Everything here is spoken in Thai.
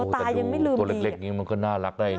แต่ตัวเล็กนี่มันก็น่ารักได้นี่